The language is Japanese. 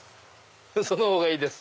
そのほうがいいです。